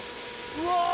うわ！